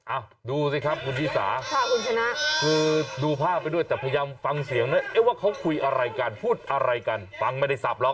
ดูสิครับคุณชิสาค่ะคุณชนะคือดูภาพไปด้วยแต่พยายามฟังเสียงนะเอ๊ะว่าเขาคุยอะไรกันพูดอะไรกันฟังไม่ได้สับหรอก